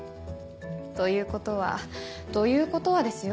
ということはということはですよ？